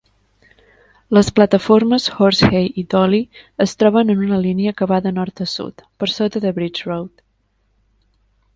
Les plataformes Horsehay i Dawley es troben en una línia que va de nord a sud, per sota de Bridge Road.